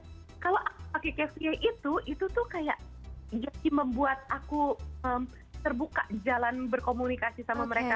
dan kalau aku pakai kasi itu itu tuh kayak jadi membuat aku terbuka jalan berkomunikasi sama mereka